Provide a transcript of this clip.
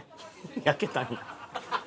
焼けたんや。